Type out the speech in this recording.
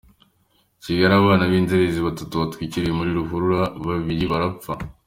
Kigali: Abana b’inzererezi batatu batwikiwe muri ruhurura, babiri barapfa.